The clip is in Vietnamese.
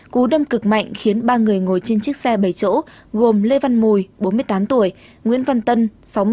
cú đâm cực mạnh khiến ba người ngồi trên chiếc xe bảy chỗ gồm lê văn mùi bốn mươi tám tuổi nguyễn văn tân sáu mươi hai tuổi